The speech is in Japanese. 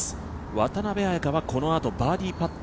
渡邉彩香はこのあとバーディーパット